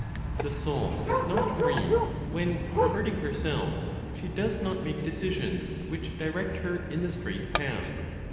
The soul is not free when, perverting herself, she does not make decisions which direct her in the straight path.